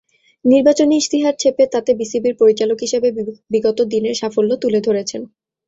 নির্বাচনী ইশতেহার ছেপে তাতে বিসিবির পরিচালক হিসেবে বিগত দিনের সাফল্য তুলে ধরেছেন।